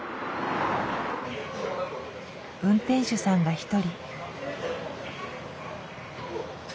運転手さんが１人。